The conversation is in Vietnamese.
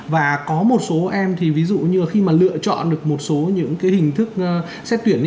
và có một số em thì ví dụ như khi mà lựa chọn được một số những hình thức xét tuyển